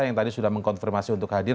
yang tadi sudah mengkonfirmasi untuk hadir